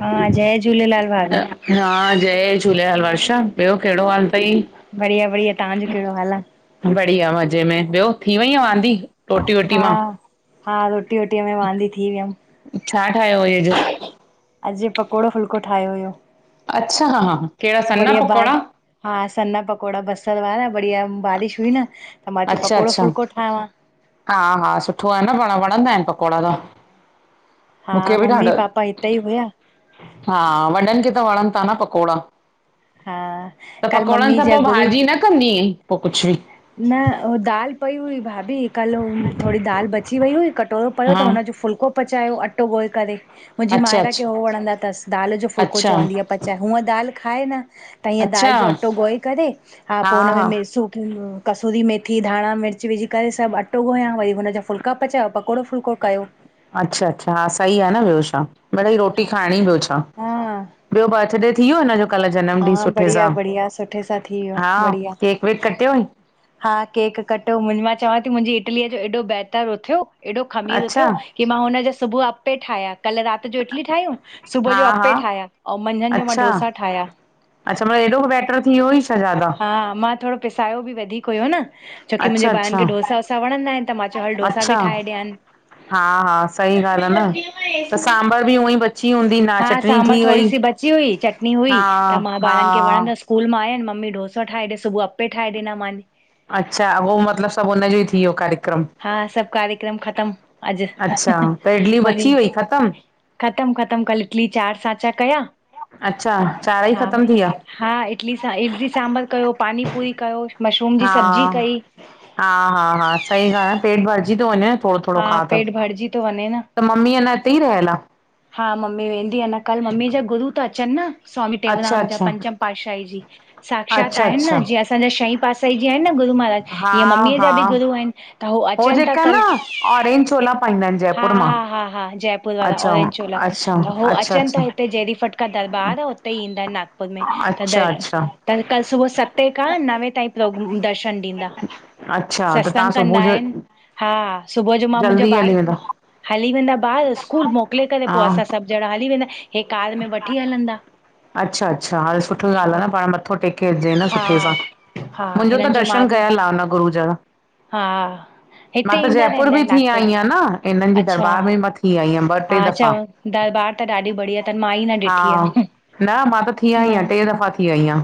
हा, जय झूलेलाल भाभी। हा, जय झूलेलाल वर्षा। ॿियो कहिड़ो हाल? अथई? बढ़िया-बढ़िया, त्हांजो कहिड़ो हाल आहे? बढ़िया मज़े में, ॿियो थी वईयं वांदी रोटी वोटी मां? हा हा, रोटी वोटीअ में वांदी थी वियमि। छा ठाहियो हुय अॼ? अॼु पकोड़ो फुल्को ठाहियो हुयो। अच्छा, हा, हा, हा बढिया बाहर हा सना पकोड़ा बसर वारा बढिया बारिश हुई न। त मां चयो अच्छा पकोड़ो अच्छा फुल्को ठाहियां। हा -हा सुठो आ न पाण़, वण़ंदा आहिनि पकोड़ा त। हा, मूंखे बि ॾाढा मम्मी-पापा ईते ई हुया। हा, वॾनं खे त वण़न ता न पकोड़ा। हा त कल पकोड़नं मम्मी सां जा पो गुरू भाॼी न कंदी ऐंई, पो कुछ बि। न, हो दाल पई हुई भाभी, कल्ह हु थोड़ी दाल बची वेई हुई कटोरो पयो त हा हुनजो फुल्को पचायो, अट्टो ॻोए करे। मुंहिंजी अच्छा मायरा खे अच्छा हो वणंदा तस, दाल जो फुल्को अच्छा चवंदी आ पचाए, हूंअं दाल खाए न। त ईअं अच्छा दाल जो अट्टो ॻोए करे, हा पो हुन में सुखीयूं कसुरी मेथी, धाण़ा, मिर्च विझी करे सभु अट्टो ॻोयां, वरी हुनजां फुल्का पचाया, पकोड़ो फुलको कयो। अच्छा-अच्छा। हा, सही आ न ॿियो छा? मिड़ईं रोटी हा खाय़ण़ी ॿियो छा? हा ॿियो बर्थडे थी वियो हिन जो? कल्ह जनम ॾींह हा सुठे बढ़िया सां। बढ़िया सुठे सां थी वियो हा, बढ़िया केक-वेक कटियो हई? हा, केक कटो। मां चवांती मुंहिंजी इटली अ जो हेॾो बेटर उथयो हेॾो खमीर अच्छा उथयो, की मां हुनजां सुबुह अप्पे ठाया। कल्ह रात त जो इटली ठायूं, सुबुह हा जो हा अप्पे ठाया, अऊं मंझंन जो मां अच्छा डोसा ठाया। अच्छा, मतलब हेॾो बेटर थी वयो हुई छा ज्यादा? हा, मां थोड़ो पिसायो बि वधीक हुयो न। छोकी मुंहिंजे अच्छा ॿारनि अच्छा खे डोसा-वोसा वणंदा आहिनि, त मां चयो हलु डोसा बि ठाहे ॾियांनि। हा-हा, सही ॻाल्हि आ न, त सांबर बि हुवईं बची हूंदी न, हा चटणी सांभर थी थोरी वई। सी बची हुई, चटनी हुई, हा त मां हा ॿारनि खे वणंदसि। स्कूल मां आया इन, मम्मी डोसा ठाहे ॾे, सुबुह अप्पे ठाहे ॾिना मान। अच्छा, हो मतलब सभु हुनजो ई थी वियो खाली हा, सभु कार्यक्रम ख़तम अॼु। अच्छा त इडली वरी बची वई ख़तमु ख़तम, ख़तम। कल्ह इटली चार सांचा कया। अच्छा, चाऱ ई हा ख़तम थी विया? हा, इटली सां--इटली सांबर कयो, पानी पूरी कयो, मशरूम जी सब्जी कई। हा-हा-हा। सही ॻाल्हि आ, पेट भरिजी तो वञे थोड़ो थोड़ो हा खा त, पेट भरिजी थो वञे न त मम्मी अञा हिते ई रहियल आ? हा मम्मी वेंदी अञा, कल्ह मम्मी जा गुरू ता अचनि न। स्वामी अच्छा टेऊराम जा अच्छा पंचम पाठशाही जी। साक्षात अच्छा आहिनि अच्छा न, जीअं असांजा शईपात साईं जी आहिनि न गुरू महाराज, हा हीअं मम्मी अ जा हा बि गुरु आहिनि। त हू हो अचऩ ता जेका न कल्ह। ऑरेंज छोला पाईंदा आहिनि जयपुर मां हा-हा-हा-हा जय पूरवारा, अच्छा ओंंरेंज चोला, अच्छा त हो अच्छा अचेन ता अच्छा हितेे जेण़ी पट का दरबार आ हुते ईंदा आहिनि नागपुर में, त अच्छा दर अच्छा त कल्ह सुबुह सतें खां नवें ताईं प्रोग--दर्शन ॾींदा। अच्छा, त तव्हां तंग सुबुह कंदा जो आहिनि? हाँ, सुबुह जो मां मुंहिंजो जल्दी ॿार हली वेंदा हली वेंदा ॿार, स्कूल मोकिले करे पो हा असां सभु ॼण़ा हली वेंदा हे कार में वठी हलंदा। अच्छा-अच्छा, हल सुठी ॻाल्हि आ हा न पाण़ मथो़ टेके अचे जेंईं न हा सुठे सां। हा मुंहिंजो त हिननि जो मां दर्शन बि कयल आ हुन गुरु जा। हा। मां हिते त ईंदा जयपुर रहंदा बि आहिनि थी नागपुर में आईयां न इन्हनि जी अच्छा दरबार में मां थी आई यां मां ॿ हा टे चव दफ़ा। दरबार त ॾाढी बढ़िया त मा ई न हा, ॾिठी आहे न मां त थी आई न यां, टे दफ़ा थी आई यां।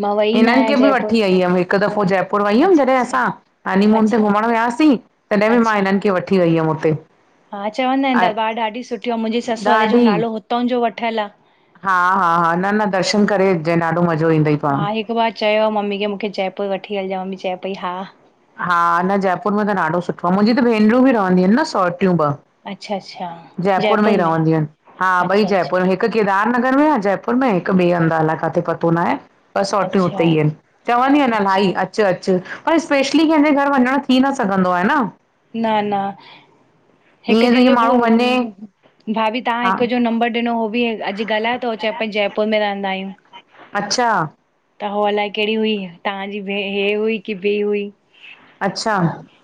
मां वई न हिननि आहियां खे बि जयपुर वठी वइयम हिकु हिकु दफ़ो जयपुर वई हुयमि अच्छा जॾहिं अच्छा असां हनीमून ते अच्छा घुमणु वियासीं, तॾहिं बि मां अच्छा हिननि खे वठी वठी वई हुयम हुत्ते। हा चवंदा आहिन दरबार ॾाढी सुठी आ, अंउ मुंहिंजे सससौरे जो ॾाढी नालो हुतांउं जो वठियलु आ। हा हा, ना ना दर्शन करे अचजंई, ॾाढो मज़ो ईंदई। हा पाण हिकु बार चयो मम्मी खे मूंखे जयपुर वठी हलजां, मम्मी चए पई, हा। हा न जयपुर में त ॾाढो सुठो आ, मुंहिंजी त भेनरूं बि रहंदियूं आहिन न सोटियूं ॿ। अच्छा अच्छा जयपुर में ई रहंदियसि आहिन, हा ॿई अच्छा जयपुर अच्छा में हिकु केदार नगर में आ जयपुर में, हिकु ॿिए हंधि आ, अलाए काथे आ पतो न आहे। ॿ सौटियूं अच्छा उते ई आहिन, चवंदी आन इलाही अच्छा अच अचु, पर स्पेशली कंहिंजे घर वञण थी न सघंदो आहे न। न न हिकु ईअं त ईअं जंहिंजो माण्हू वञे ब भाभी तहां हा हिक जो नंबर ॾिनो हो बि अॼु ॻल्हाए थो चए प्यो जयपुर में रहंदा आहियूं त् अच्छा त उहो अलाए कहिड़ी हुई, तहांजी भे हे हुई की ॿी हुई! अच्छा,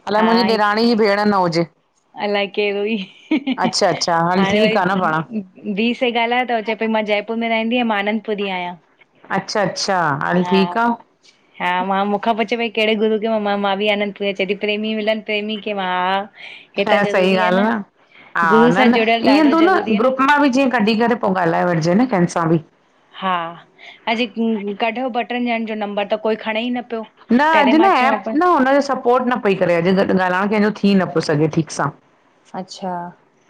अलाए हा मुंजी ॾेराणी जी भेंण न हुजे! अलाए केर हुई, अच्छा अच्छा हल हाणे वरी ठीकु आहे न पाण ॿी शै ॻाल्हयो त चए पई मां जयपुर में रहंदी आहियां, मांआनंद अच्छा अच्छा, हल हा ठीकु आ। हा मां मूंख पुच्छे पई, कहिड़े गुरू खे मां बि चयो आनंदपुर, चॾी प्रेमी मिलन प्रेमी के, मां [unintelligible] ह सही ज़रूरी आहे ॻाल्हि आ, न हा, गुरू सां न न जुड़ियल ॾाढो ईअं थो न ज़रूरी आहे ग्रुप मां बि जीअं कढी करे पो ॻाल्हाए वठिजे न कंहिंस सां बि। हा, अॼु कढियो ॿ ट्रिन ॼणनि जो नंबर त कोई खणे ई न पियो। न पहिरें अॼु न मां चवां एप पई न हुनजो सपोर्ट न पई करे, अॼु ॻाल्हाइणु कंहिंजो थी न पियो सघे ठीकु सां। अच्छा!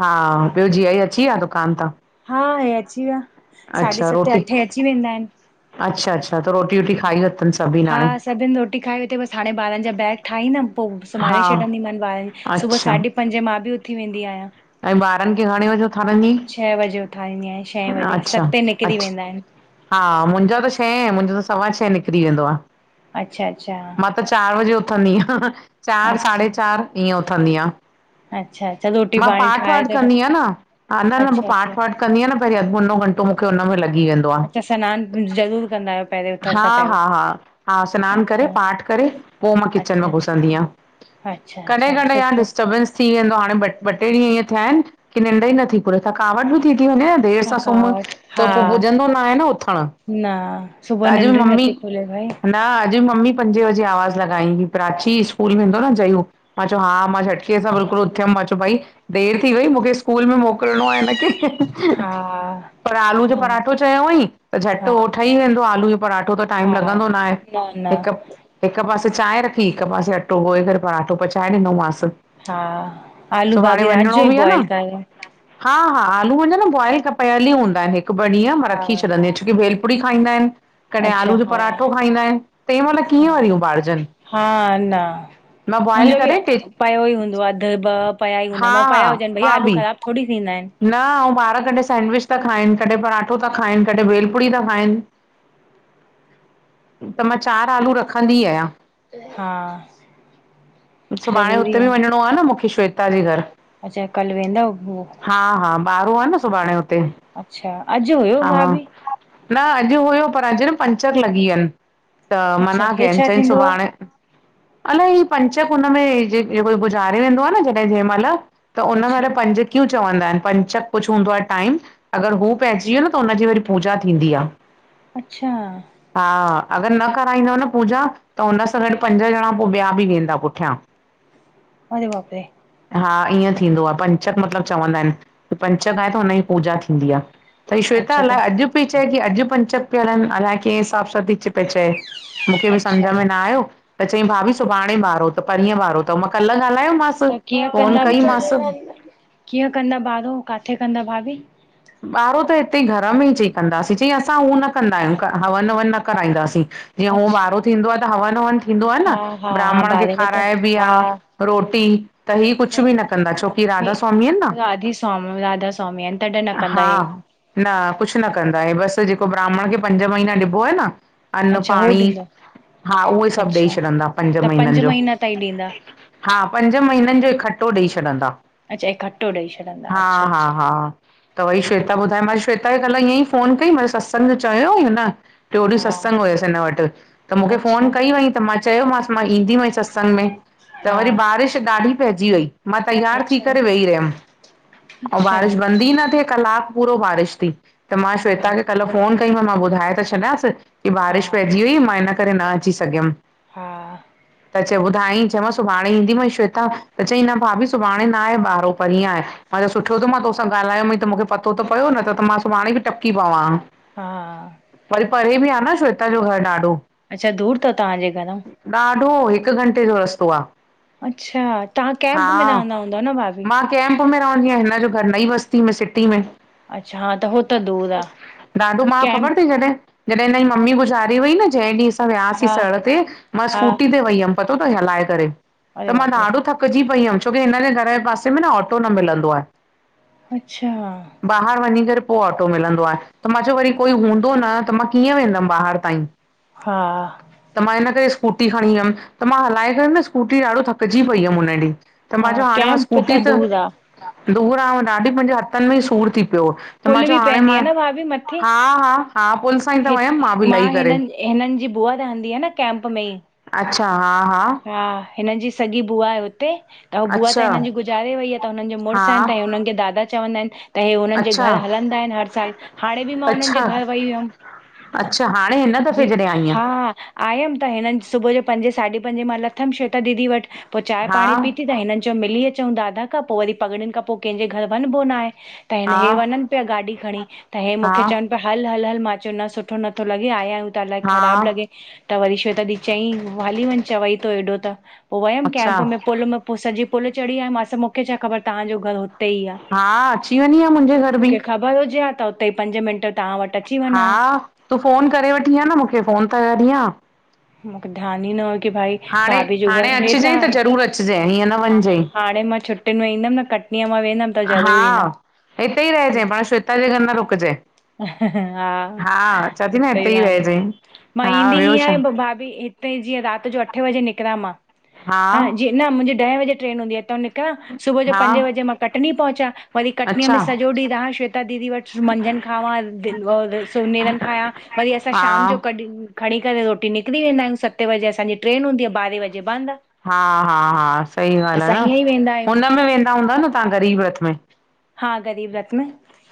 हा, ॿियो जीयाजी अची विया दुकानु तां? हा इहे अची विया, साढे अच्छा सतें रोटी अठे अची वेंदा आहिन। अच्छा अच्छा त रोटी वोटी खाई वरतनि सभी हांणे? सभिन रोटी खाई वरति बस हाणे बांरन जा बैग ठाहींदम, पो सुम्हारे हा छॾींदीमानि ॿारनि सुबुह अच्छा साढे पंजें मां बि उथी वेंदी आयां। ऐं ॿारनि खे घणे वॼे उथारिंदी छह बजे उथारींदी आहियां छहें आंईं, बजे अच्छा सते निकिरी वेंदा अच्छा। आहिनि हा मुंहिंजो त छैं, मुंहिंजो त सवा छैं निकिरी वेंदो अच्छा अच्छा आ। मां त चार वजे उथणंदी आहयां, चार अच्छा साढे चार। ईअं उथंदी आंयां। अच्छा अच्छा रोटी मां पाणी पाठ ठाहे वाठ त कंदी आहियां न, ह न न पो अच्छा अच्छा पाठ वाठ कंदी आहियां न पहिरीं अधु मुनो घंटो त मूंखे हुन में लॻी वेंदो आ, अच्छा सनानु ज़रूरु कंदा आहियो पहिरियों उथण हा सां हा हा हा सनानु करे पहिरियों पाठ करे पो मां अच्छा किचन में अच्छा घुसंदी आं। अच्छा कॾहिं अच्छा कॾहिं यार सुठो डिस्टर्बंस थी वेंदो हाणे। ॿ ॿ टे ॾींहं इअं थिया आहिन। की ड ई नथीुरे तकावट बि थी। थी वञे न। देरि सां सुम्हहि थकावट हा त पोइ पुजंदो न आहे न उथण। न सुबह निंद्र ही नथी खोले भाई। न अॼु बि मम्मी पंजे बजे आवाज़ु लॻाई हुई प्राची स्कूल में वेंदो न जयूं - - मां चयो हा मां छटकीअ सां बिल्कुलु उथियम मां - - भई देरि थी वई मूंखे स्कूल में मोकिलणो आ हिन खे। हा पर आलू जो हा पराठो चयोईं त झटि हा उहो ठही वेंदो आलू जो पराठो त टाइम लॻंदो न आ। ह न - - हिक हिक पासे चांहि रखी हिकु पासे अटो ॻोए करे पराटो पचाए ॾिनोमांस। हा आलू भाभी रात जोई बि आहे न बॉइल कयो? हा हा, आलूं त पहिरीं ई बॉयल कयल हूंदा आहिन, हिक बर्तन में हा रखी छॾी छुके वेल - - पूड़ी खाईंदा आहिन। कॾहिं अच्छा आलू जो हा पराठो खाईंदा आहिन तंहिं महिल हा कीअं वारियूं बारिजन। हा न मां बॉइल मुंहिंजो बि करे ट - - पयो ई हूंदो आहे अधु ॿ पिया ई हूंदा आहिन म हा पिया हुजन भई मां आलू बि ख़राब थोरी थींदा आहिन। न आऊं ॿार कॾहिं सेंंडविच था खाइन, कॾहिं पराठो था खाइन, कॾहिं भेलपूरी था खाइन। [inaudible] त मां चारि आलू रखंदी आहियां। हा। सुभाणे ज़रूरी हुते बि आहिनि वञणो आ न मूंखे श्वेता जे घर। अच्छा कल्ह वेंदाव [unintelligible] हा हा ॿारहो आ न सुभाणे हुते। अच्छा, अॼु हुयो हा भाभी। न अॼु हुयो, पर अॼु न पंचर लॻी वियन। त अच्छा मना हे कयन छा चयन थींदो सुभाणे आहे [unintelligible] अलाए ही [unintelligible] त हुनॼ में [unintelligible] गुजारे वेंदो आ न जॾहिं जहैं महिल त हुन महिल अच्छा पंज। क्यूं चवंदा आहिन, पंचक कुछ हूंदो आहे टाइम। अगर हू पइजी वियो न त हुनजी वरी पूजा थींदी आ। अच्छा! हा, अगरि न कराईंदव न पूजा, त हुन सां गॾु पंज ॼणा पोइ ॿिया बि वेंदा। [unintelligible] अरे बाप रे! हा, ईअं थींदो आहे, पंचक मतलब चवंदा आहिन। त पंचक आहे त हुनजी पूजा थींदी आ। त हीय श्वेता अच्छा त अलाए अॼु पई चए की अॼु पंचक पया हलन अलाए कीअं हिसाब सां थी च पई चए। मूंखे बि अच्छा समुझ में न आयो, त चेईं भाभी सुभाणे ॿारहो। त परीहं वारो त मां कल्ह ॻाल्हायो मांस। त कीअं कंदा [unintelligible] कीअं कंदा ॿारहो काथे कंदा भाभी? ॿारहो त हितेइ घर में ई चई कंदासीं, चई असां हूअ न कंदा आहियूं हवन- हवन न कराईंदासीं। जीअं हूअं अच्छा ॿारहो थींदो आह त हवन-हवन थींदो आह न, हा हा हा ब्राह्मण खे बारे में त खहाराएबी हा आह। रोटी, त ही कुछ बि न कंदा, छोकिह राधास्वामी आहिन न। राधास्वामी। हा, न कुछ न कंदा हे बसि जेको ब्राह्मण खे पंज महीना ॾिबो आहे न। अन्न अच्छा हो पाणी, ॾींदो हा उहे सभु ॾेई अच्छा छॾंदा पंज त महीननि जो। महीना ताईं ॾींदा हा, पंज महीिननि जो इकठ्ठो ॾेई छॾंदा। अच्छा इकठ्ठो ॾेई छॾंदा, हा हा अच्छा-अच्छा। हा त उओइ श्वेता ॿुधायो, मां श्वेता खे कल्ह ईअंई फोन कई मां चयो सत्संग जो चयो हुअईं हुन। टयोॾी हा सत्संग हुयस हिन वट। त मुखे फ़ोन अच्छा कई हुईं त मां चयोमांस मां ईंदीमहि सत्संग में। त हा वरी बारिश ॾाढी पहजी वहि, मां तैयार थी अच्छा करे वेईी रहियम आऊं अच्छा बारिश बंद हि न थिए कलाक पूरो बारिश थी, त मां हा श्वेता खे कल फोन कई मांस मां ॿुधाए त छॾियांस। कि हा बारिश पहिजी वई मां इन करे न अची सॻयुम। हा त ॿुधाईं चयोमांस सुभाणे ईंदीमई, श्वेता त चईं न भाभी सुभाणे न आहे ॿारहो परीहं आहे। हा त सुठो थयो त मां तोसां ॻाल्हायो मई, त मुखे पतो त पयो न त-त मां सुभाणे बि टपकी पवांंहां। हा वरी परे बि आ न श्वेता जो घर ॾाढो अच्छा दूर थव तव्हांजे घराऊं? ॾाढो! हिक घंटे जो रस्तो आ। अच्छा! तव्हां कैमप में रहंदा हूंदव न भाभी? कैमप में रहंदी आहियां, हिन जो घर नई बस्ती में सिटी में। अच्छा हा त हो त दूर आहे ॾाढो मां कैंप ख़बर थई जॾहि जॾहिं हिनजी मम्मी गुज़ारे वई न, जंहिं ॾींह असां वियासीं हा सर ते मां हा स्कूटी ते वयी हम पतो तई हलाए करे, अरे त मां बाप रे ॾाढो थक थकजी पई हुयम छो की हिन जे घर जे पासे में न ऑटो न मिलंदो आहे। अच्छा ॿाहर वञी करे पो ऑटो मिलंदो आहे त मां चयो वरी कोई हूंदो न त मां कीअं वेंदम ॿाहर ताईं हा त मां हिन करे स्कूटी खणी वयम, त मां हलाए करे न स्कूटी ॾाढो थकजी पई हुम उन्हें ॾींह। त हा मां चयो हाणे मां कैंप स्कूटी त दूर आहे त दूर आ ॾाढी मुंजे हथन में ई सूर थी पियो। त मां पुल बि चओ हाणे पवंदी मां आहे न भाभी मथे हा-हा-हा पुल सां ई त वयम मां बि लही करे हिनन जी बुआ रहंदी आ न कैंप में ई अच्छा, हा-हा हा हिनन जी सॻी बुआ आहे हुते। त हू बुआ त अच्छा हिनन जी गुजारे वई आहे त हुन हा मुड़स आहिन त हुनन जे दादा चवंदा आहिन त हे हुननि जे अच्छा घर हलंदा आहिन हर साल, हाणे बि मां हुनन अच्छा जे घरु वेई हुअम। अच्छा हाणे इन जी, हा-हा आयम त हिनन सुबुह जो पंजे साढी पंजे मां लथम श्वेता दीदी वट पो चांय हा पाणी पीती त हिनन चयो मिली अचूं दादा खां पो वरी पगड़ियन खां पो कंहिंजे घर वञबो न आहे। त हिन हा हे वञन पिया गाॾी खणी त हे हा मुखे चवन पया हल-हल-हल मां चयो न सुठो नथो लॻे। भई आया आहियूं त अलाए हा ख़राब लॻे त वरी शवेटा दी चईं हली वञ चवई थो एॾो त। पो वयम अच्छा कैब में पुल में पो सॼी पुल चढ़ी आयिम मुखे छा ख़बर तव्हांजो घर हुते ई आ। हा अची वञी आहे मुंहिंजे घर बि मुखे ख़बर हुजे हा त उते ई पंज मिंट तव्हां वट हा तूं फ़ोन करे वठी आ न मुखे फ़ोन त करीं हा। मुखे ध्यान ई न हो कि भाई हाणे भाभी जो घर हाणे हेठ आ, अचिजांइ त ज़रूर अचिजांइ हीअं न ह वञिजांइ हाणे मां छु छुटिन में ईंदम न कटनीअ मां वेंदम त ज़रूर ईंदम। इते ई रहजईं पाण श्वेता जे घर न रुकजईं। हा सही हिते ई ॻाल्ह आ, रहिजांइ मां हा ईंदी ॿियो ईंअ छा आहियां पो भाभी हिते जीअं रात जो अठ बजे निकरां मां हा जी न मुंजी ॾहें बजे ट्रेन हूंदी आ हितऊं निकरां सुबुह जो हा पंजे बजे मां कटनी पहुचां वरी कटनीअ अच्छा में सॼो ॾींह रहां श्वेता दीदी वट। मंझंन खावां, सुबूह नेरन खावां वरी असां हा शाम जो कॾहिं खणी करे रोटी निकरी वेंदा आहियूं सते बजे असांजी ट्रेन हूंदीअ आ ॿारहें बजे बंद हा-हा-हा सही ॻाल्ह आ न ई वेंदा आहियूं हुन में वेंदा हूंदव न तव्हां ग़रीब रथ में? हा ग़रीब रथ में।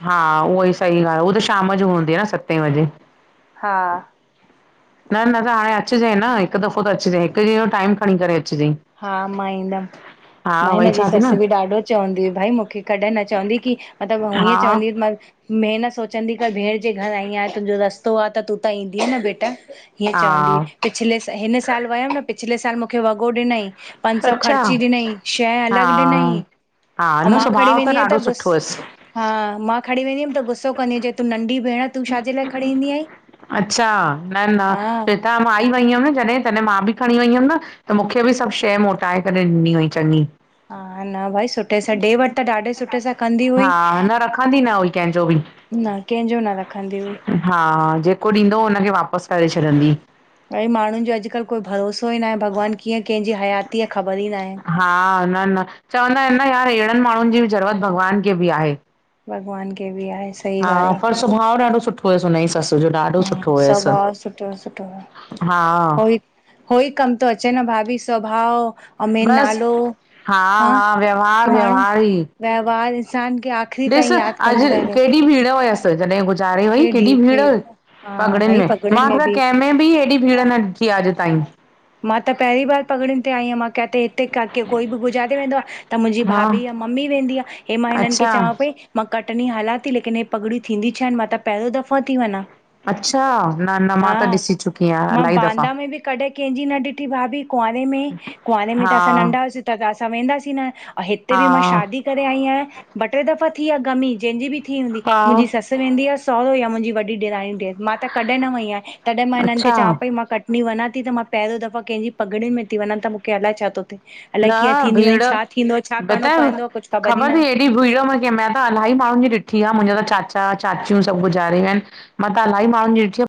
हा उहो ई सही ॻाल्ह आ, उहा त शाम जो हूंदी आ न सते वॼे हा न-न त हाणे अच जांइ न हिक दफ़ो त अचजांइ हिक ॾींहं जो टाइम खणी करे अचजांइ। हा मां ईंदम। भाई हिनजी चवां थी सस न बि ॾाढो चवंदी हुई भाई मुखे कॾहिं न चवंदी की मतलब हा हअं चवंदी हुई मांस में न सोचंदी कर भेण जे घर आई आहियां तुंजो रस्तो आ त तूं त ईंदी न बेटा। हीअं चवंदीई हा पिछले स हिन साल वयम न पिछले साल मुखे वॻो ॾिनई। पंज सौ अच्छा खर्ची ॾिनई शइ हा अलग ॾिनई हा अ न मां खणी सुभाउ वेंदी आहियां त ॾाढो गुस सुठो हुयसि हा मां खणी वेंदी हुअम त गुसो कंदी हुई जें तूं नंढी भेण तूं छाजे लाइ खणी ईंदी आहीं? अच्छा न-न हा फिर त मां ई वई हुयम न जॾहिं, तॾहिं मां बि खणी वई हुयम न त मुखे बि सभ शइ मोटाए करे ॾिनी हुई चङी। हा न भाई सुठे सां, ॾे वठ त ॾाढे सुठे सां कंदी हुई। हा न रखंदी न हुई कंहिंजो बि। न कंहिंजो न रखंदी हुई हा जेको ॾींदो हुनखे वापस करे छॾंदी। भई माण्हुन जो अॼकल्ह कोई भरोसो ई न आहे भॻवान कीअं कंहिंजी हयाती आहे ख़बर ई ना आहे। हा न-न चवंदा आहिन न यार अहिड़न माण्हुन जी बि ज़रूरत भॻवान खे बि आहे। भॻवान के बि आहे सही हा ॻाल्हि पर स सुवभाव ॾाढो सुठो हुयस हुनजी सस जो ॾाढो आहे सुठो हुयस स्वभाव सुठो सुठो आहे हा हो ई हो ई कम थो अचे न भाभी, सवभाव ओ मेन बस नालो, हा की व्यवहार माण्हू व्यवहार ई व्यवहार इंसान खे आख़िरी ॾिस ताईं यादि अॼ कंदो था रहे केॾी भीड़ हुयस ज गुज़ारे वई। केॾी भीड़ई। हा पग्रिन भई में। पगड़ियुनि मां त बि कै में बि, हेड़ी भीड़ न डिठी आ अज ताईं मां त पहिरीं बार पगड़न ते आई आहियां मां किथे - के कोई बि गुज़ारे वेंदो आ त मुंजी हा भाभी या मम्मी वेंदी आ, हे मां हिनन खे अच्छा चवां पई मां कटनी हलां थी लेकिन हे पगड़ियूं थींदी छा हिन मां त पहिरियों दफ़ो थी वञा। अच्छा न न मां हा त ॾिसी चुकी आहियां मां इलाही दफ़ा बांदा में बि कॾहिं कैंजी न ॾिठी भाभी कुआरे, में कुआरे में त हा असां नंढा हूंदा सी त असां वेंदासीं न हित्ते हा भी मा शादी करे आयी आया, ॿ- ट्रे दफा थी आ ग़मी, जैंजी भी थी हूंदी, हा मुंजी सस अ वेंदी आ सहुरो या मुंजी वॾी डेरानी ॾेर मां त कॾहिं न वई आहियां, तॾहिं मां हिनन खे अच्छा चवां पई, मां कट नी वञा थी त मां पहिरियों दफ़ा कंहिंजी पगड़ियुन में थी वञा त माखे अलाए छा थो थिए। अलाए न कीअं थींदियूं भीड़ आहिन, छा थींदो, छा करिणो पवंदो, आ कुछ ख़बर ई ना आ डियो मां त इलााईी माण्हुन जी ॾिठी आ मुंजा त चाचा चाचियूं सभु गुज़ारे वया आहिन। मां त अलाही माण्हुन जी ॾिठि आ।